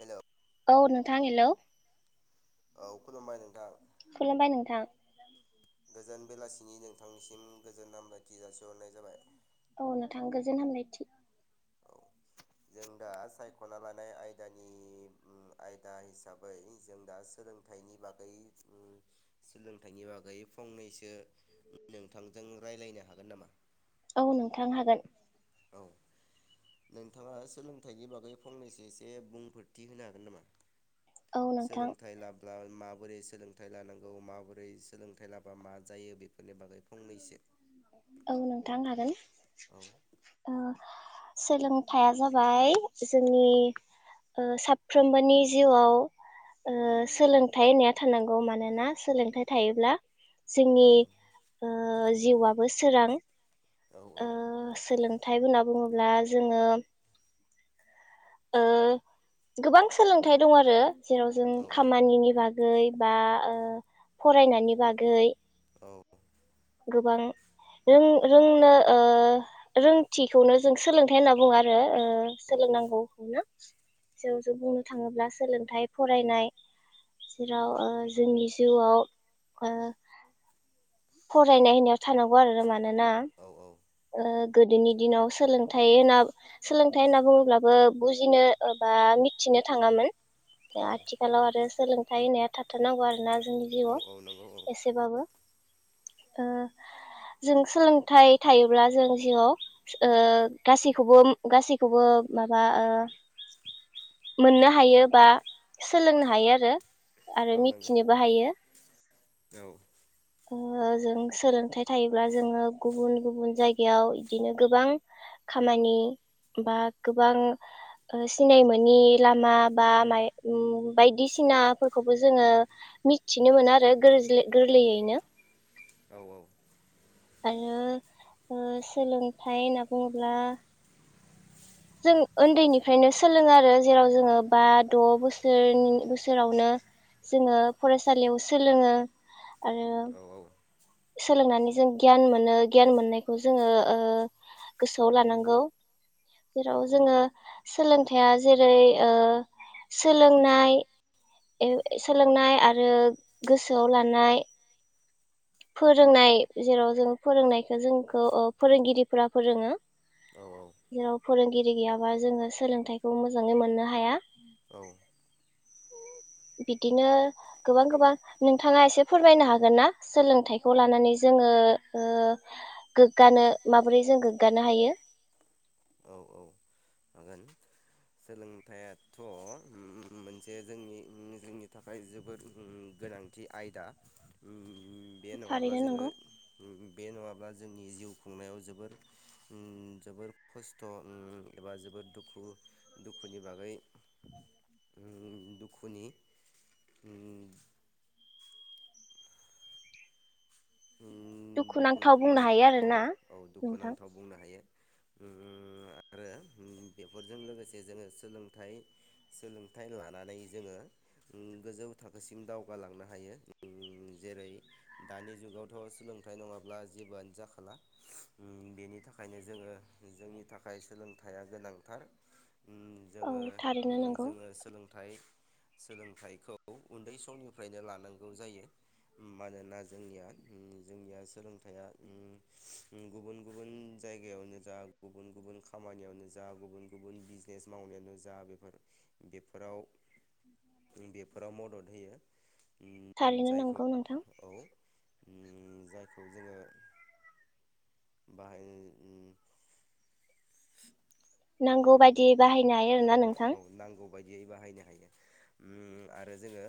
Hello औ नोंथां hello. औ खुलुमबाय नोंथां। खुलुमबाय नोंथां। गोजोन बेलासिनि नोंथांनिसिम गोजोन हामलायथि जासिहरनाय जाबाय। औ नोंथां गोजोन हामलायथि। औ जों दा सायख'ना लानाय आयदानि ओम आयदा हिसाबै जों दा सोलोंथायनि बागै सोलोंथाइनि बागै फंनैसो नोंथांजों राय्लायनो हागोन नामा? औ नोंथां हागोन। औ नोंथाङा सोलोंथाइनि बागै फंनैसो एसे बुंफोरथि होनो हागोन नामा? औ नोंथां सोलोंथाइ लाब्ला माब माबोरै सोलोंथाइ लानांगौ माबोरै सोलोंथाइ लाबा मा जायो बेफोरनि बागै फंनैसो। औ नोंथां हागोन। औ अ। सोलोंथाया जाबाय जोंनि ओ-साफ्रोमबोनि जिउआव औ ओ-सोलोंथाइ होननाया थानांगौ मानोना सोलोंथाइ। थायोब्ला। जोंनि ओ-जिउआ सोरां। औ औ औ ओ-सोलोंथाइ होनना बुङोब्ला जोंङो ओ-गोबां सोलोंथाइ दं आरो। जेराव जों औ खामानिनि बाग गै बा ओ-फरायनायनि बागै औ। गोबां रों- रोंनो ओ- रोंथिखौनो जों सोलोंथाइ होनना बुङो आरो। ओ-सोलोंनांगौखौनो जौ जों बुंनो थाङोब्ला सोलोंथाइ फरायनाय जेराव ओ-जोंनि जिउआव ओ- फरायनाय होननायाव थानांगौ आरो मानोना ओ-गोदोनि दिनाव सोलोंथाइ होना सोलोंथाइ होनना बुङोब्लाबो बुजिनो एबा मिथिनो थाङामोन औ आथिखालाव आरो। सोलोंथाइ होनाया थाबाथारनांगौ आरोना जोंनि औ जिआव औ नंगौ औ एसेबाबो। ओ जों सोलोंथाइ थायोब्ला जों जिआव ओ-गासैखौबो गासैखौबो माबा ओ मोननो हायो बा सोलोंनो हायो आरो। आरो औ नंगौ मिथिनोबो हायो। औ। जों सोलोंथाइ थायोब्ला जोङो गुबुन गुबुन जायगायाव बिदिनो गोबां खामानि बा गोबां ओ सिनाय मोनि लामा बा माय ओम बायदिसिनाफोरखौबो जोङो मिथिनो मोनो आरो गोरज्लै गोरलैयैनो औ आरो ओ सोलोंथाइ होनना बुङोब्ला जों ओनदैनिफ्रायनो सोलोङो आरो जेराव जोङो बा द' बोसोरनि ओ बोसोरावनो जोङो फरायसालियाव सोलोङो आरो औ सोलोंनानै जों गियान मोनो गियान मोननायखौ जोंङो ओ गोसोआव लानांगौ। औ जेराव जोङो। सोलोंथाइया जेरै सोलोंनाय एव सोलोंनाय आरो गोसोआव लानाय। फोरोंनाय जेराव जों फोरोंनायखो जोंखौ ओ फोरोंगिरिफोरा फोरोङो। औ औ जेराव फोरोंगिरि गैयाबा जोङो सोलोंथाइखौ मोजाङै मोननो हाया। औ बिदिनो गोबां गोबां नोंथाङा एसे फोरमायनो हागोन ना सोलोंथाइखौ लानानै जोङो ओ गोग्गानो माबोरै जों गोग्गानो हायो? औ औ हागोन सोलोंथाइाथ' मोनसे जोंनि जोंनि थाखाय जोबोद गोनांथि आयदा। बे नङाब्ला थारैनो जोङो नंगौ बे नङाब्ला जोंनि जिउ खुंनायाव जोबोर उम जोबोर। खस्थ' एबा जोबोद दुखु दुखुनि बागै उम दुखुनि उम। उम दुखु दुखुनांथाव उम बुंनो हायो औ आरोना औ नोंथां दुखुनांथाव बुंनो हायो। ओम आरो बेफोरजों लोगोसे जोंङो सोलोंथाइ सोलोंथाइ लानानै जोंङो ओ गोजौ थाखोसिम दावगालांनो हायो जेरै दानि जुगाव थ' सोलोंथाइ नङाब्ला जेबोआनो जाखाला ओम बेनि थाखायनो जोङो जोंनि थाखाय सोलोंथाइया गोनांथार ओम औ जोङो थारैनो ओम नंगौ जोङो सोलोंथाइ सोलोंथाइखौ औ उन्दै समनिफ्रायनो लानांगौ जायो मानोना जोंनिया ओम जोंनिया सोलोंथाइया ओम ओम गुबुन गुबुन जायगायावनो जा गुबुन गुबुन खामानियावनो जा गुबुन गुबुन बिजनेस मावनायावानो जा बेफोर बेफोराव बेफोराव मदद होयो ओम थारैनो नंगौ जायखौ नोंथां औ ओम जायखौ जोङो बाहाय ओम नांगौ बायदि बाहायनो हायो आरोना औ नोंथां नांगौ बायदियै बहायनो हायो उम आरो जोङो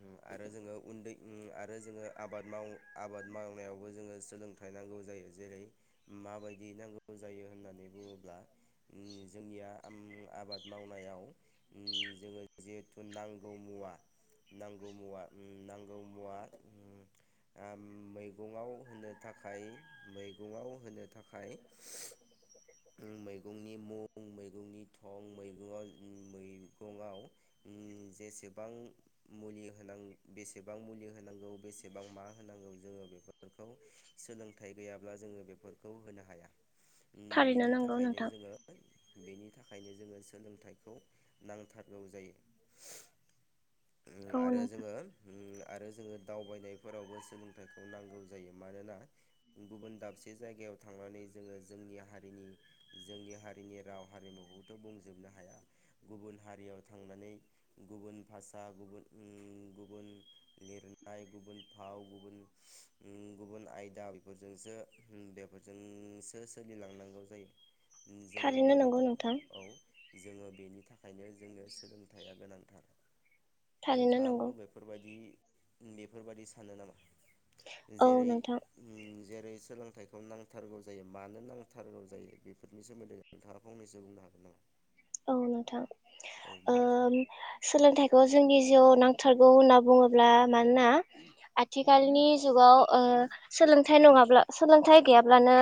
उम आरो जोङो उनदै उम आ रो जोङो आबाद माव आबाद मावनायावबो जोङो सोलोंथाइ नांगौ जायो जेरै माबायदि नांगौ जायो होननानै बुङोब्ला ओम जोंनिया आम आबाद मावनायाव ओम जोङो जिहेथु नांगौ मुवा नांगौ मुवा ओम नांगौ मुवा उम आम मैगंआव होनो थाखाय मैगाव होनो थाखाय उम मैगंनि मुं मैगंनि थं मैगाव ओम मैगंआव ओम जेसेबां मुलि होनां बेसेबां मुलि होनांगौ बेसेबां मा होनांगौ जोङो बेफोर फोरखौ सोलोंथाइ गैयाब्ला जोङो बेफोरखौ होनो हाया उम थारैनो बेनि नंगौ थाखायनो नोंथां जोङो बेनि थाखायनो जोङो सोलोंथाइखौ नांथारगौ जायो [unintelligible] ओ औ आरो नोंथां जोङो उम आरो जो ङो दावबायनायफोरावबो सोलोंथाइखौ नांगौ जायो मानोना गुबुन दाबसे जायगायाव थांनानै जोङो जोंनि हारिनि जोंनि हारिनि राव हारिमुखौथ' बुंजोबनो हाया गुबुन हारियाव थांनानै गुबुन भाषा गुबुन उम गुबुन लिर नाय गुबुन फाव गुबुन ओम गुबुन आयदा बिफोरजोंसो बेफोरजोंसो सोलिलांनांगौ जायो ओम जोङो थारैनो बेनि नंगौ था नोंथां औ जोङो बेनि था खायनो जोंनो सोलोंथाइआ गोनां थारैनो नोंथाङाबो नंगौ बेफोरबायदि बेफोरबादि सानो नामा औ जेरै नोंथां उम जेरै सोलोंथाइखौ नांथारगौ जायो मानो नांथारगौ जायो बेफोरनि सोमोन्दै नोंथाङा फंनैसो बुंनो हागोन नामा? औ नोंथां औ बुं ओम सोलोंथाइखौ जोंनि जिउआव नांथारगौ होनना बुङोब्ला मानोना आथिखालनि जुगाव ओ सोलोंथाइ नङाब्ला सोलोंथाइ गैयाब्लानो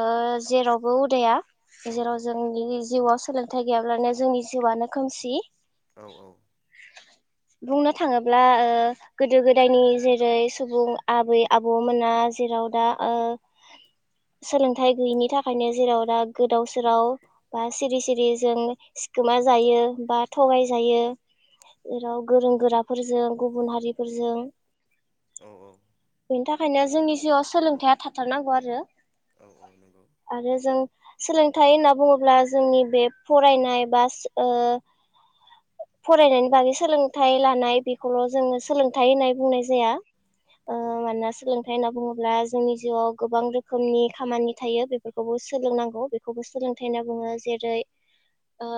ओ जेरावबो उदाया औ औ जेराव जोंनि जिउआव थाइ गैयाब्लानो जोंनि जिउआनो खोमसि औ औ बुंनो थाङोब्ला ओ गोदो गोदायनि जेरै सुबुं आबै आबौमोना जेराव दा ओ सोलोंथाइ गैयिनि थाखायनो जेराव दा गोदाव सोराव बा सिरि सिरि जों सिखोमा जायो बा थगाय जायो जेराव गोरों गोराफोरजों गुबुन हारिफोरजों औ औ बेनि थाखायनो जोंनि जिउआव सोलोंथायाइया थाथारनांगौ आरो औ औ नंगौ आरो जों सोलोंथाइ होनना बुङोब्ला जोंनि बे फरायनाय बास ओ फरायनायनि बागै सोलोंथाइ लानाय बेखौल जोङो सोलोंथाइ होननाय बुंनाय जाया। ओ औ मानोना सोलों थाइ होनना बुङोब्ला जोंनि जिउआव गोबां रोखोमनि खामानि थायो बेफोरखौबो सोलोंनांगौ बेखौबो सोलोंथाइ होनना बुङो। जेरै ओ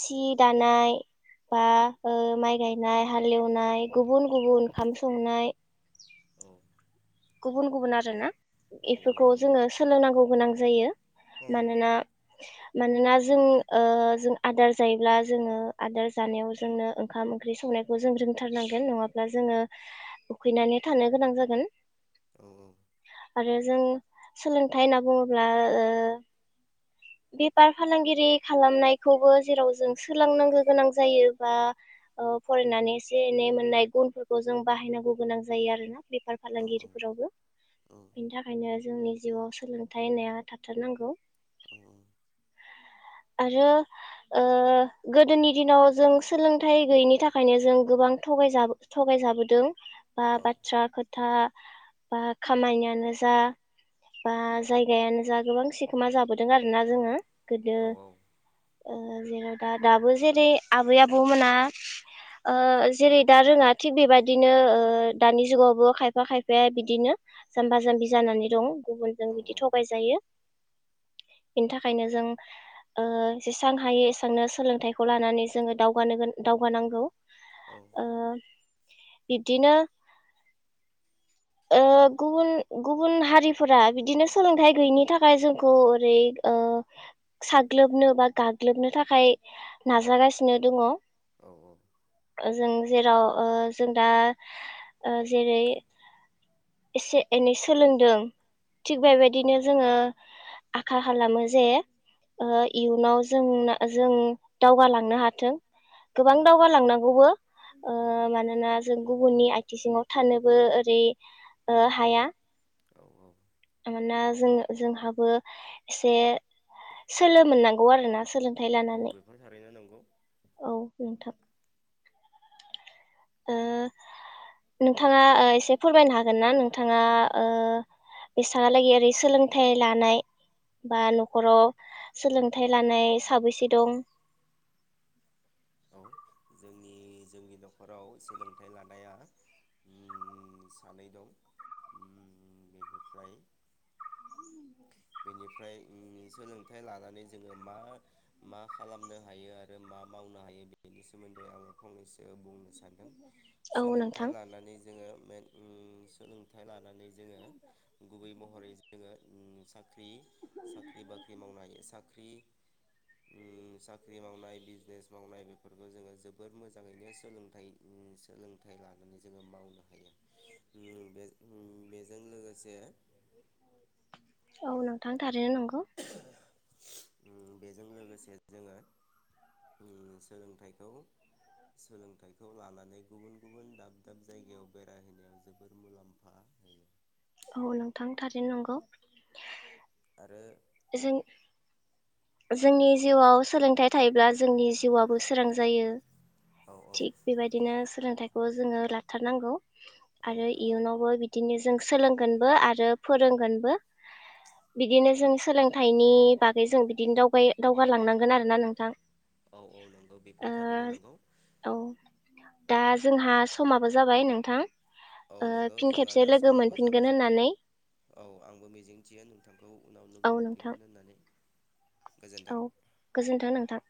सि दानाय बा ओ माइ गायनाय हालेवनाय गुबुन गुबुन ओंखाम संनाय औ गुबुन गुबुन आरो ना औ औ बेफोरखौ नंगौ जोङो सोलोंनांगौ गोनां जायो औ मानोना मानोना जों ओ जों आदार जायोब्ला जोङो आदार जानायाव जोंनो ओंखाम ओंख्रि संनायखौ जों रोंथारनांगोन नङाब्ला जोङो उखैनानै थानो गोनां जागोन औ औ। आरो जों सोलोंथाइ होनना बुङोब्ला ओ बेफार फालांगिरि खालामनायखौबो जेराव जों सोलोंनांगौ गोनां जायो बा ओ फरायनानै एसे एनै मोननाय गुनफोरखौ जों बाहायनांगौ गोनां जायो आरोना बेफार औ औ फालाांगिरि बेनि थाखायनो जोंनि जिउआव सोलोंथाइ होनाया थाथारनांगौ औ औ। आरो ओ गोदोनि दिनाव जों सोलोंथाइ गैयैनि थाखायनो जों गोबां थगायजा थगायजाबोदों बा औ बाथ्रा खो था बा खामानियानो जा बा जायगायानो जा गोबां सिखोमा जाबोदों आरोना जोङो गोदो औ ओ जेरै दा दाबो जेरै आबै आबौमोना ओ जेरै दा रोङा थिग बेबायदिनो ओ दानि जुगावबो खायफा खाय फाया बिदिनो जाम्बा जाम्बि जानानै दं औ गुबुनजों बिदि थगायजायो। बेनि थाखायनो जों ओ जेसां हायो एसांनो सोलोंथाइखौ लानानै जोङो दावगानो दावगानांगौ औ ओ बिब्दिनो ओ गुबुन गुबुन हारिफोरा बिदिनो सोलोंथाइ गैयिनि थाखाय जोंखौ ओरै ओ साग्लोबनो बा गाग्लोबनो थाखाय नाजागासिनो दङ। ओ औ जों जेराव ओ जों दा ओ जेरै एसे एनै सोलोंदों थिग औ बेबायदिनो जोङो आखा खालामो जे ओ इयुनाव जोंना जों दावगालांनो हाथो। गोबां दावगालांनांगौबो ओ औ मानोना जों गुबुननि आइ थि सिङाव थानोबो ओ रै ओ हाया। औ मानोना जों जोंहाबो एसे सोलो मोननांगौ आरोना सोलों थाइ औ लानानै। बेफोर थारैनो नंगौ औ नोंथां। ओ नोंथाङा ओ एसे फोरमायनो हागोन ना नोंथाङा ओ बेसांयालागै ओरै सोलोंथाइ लानाय बा न'खराव सोलोंथाइ लानाय साबैसे दं? औ जोंनि जोंनि न'खराव सोलोंथाइ लानाया उम सानै दं उम बेनिफ्राय बेनिफ्राय उम सोलोंथाइ लानानै जोङो मा मा खालामनो हायो आरो मा मावनो हायो बेनि सोमोन्दै आङो फंनैसो बुंनो सानदों। औ सोलोंथाइ नोंथां लानानै जोङो मे उम सोलोंथाइ लानानै जोङो गुबै महरै जोङो उम सा ख्रि साख्रि बाख्रि मावनो हायो सा ख्रि उम साख्रि मावनाय बिजनेस मावनाय बेफोरखौ जोङो जोबोद मोजाङैनो सोलोंथाइ उम सोलोंथाइ लानानै जोङो मावनो हायो उम बे बेजों लोगोसे औ नोंथां थारैनो नंगौ। उम बेजों लोगोसे जोङो उम सोलोंथाइखौ सोलोंथाइखौ लानानै गुबुन गुबुन दाब दाब जायगायाव बेरायहैनायाव जोबोर मुलाम्फा होयो। औ नोंथां थारैनो नंगौ। ओ जों जोंनि जिउआव सोलोंथाइ थायोब्ला जोंनि जिउबो सोरां जायो। औ औ थिक बेबायदिनो सोलोंथाइखौ जोङो लाथारनांगौ। औ आरो नंगौ इयुनावबो बिदिनो जो जों सोलोंगोनबो आरो फोरोंगोनबो बिदिनो जों सोलोंथाइनि बागै जों बिदिनो दावबाय दावगा लांनांगोन आरोना नोंथां। औ औ नंगौ बेफोर ओ थारैनो नोंगौ। औ दा जोंहा समाबो जाबाय नोंथां। औ ओ नंगौ फिन जोंहा खेबसे दा लोगो समाबो मोनफिनगोन जाबाय होननानै औ आंबो मिजिंथियो नोंथांखौ। उनाव लोगो औ नोंथां मोनफिनगोन होननानै। गोजोन्थों औ गोजोन्थों नोंथां।